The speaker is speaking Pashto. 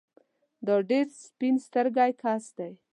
دا ډېر سپين سترګی کس دی